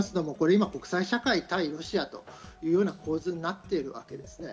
今、国際社会対ロシアというような構図になっているわけです。